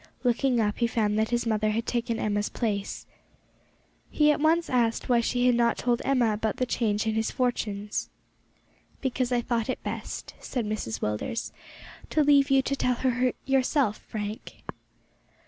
Looking up he found that his mother had taken Emma's place. He at once asked why she had not told Emma about the change in his fortunes. "Because I thought it best," said Mrs Willders, "to leave you to tell her yourself, Frank."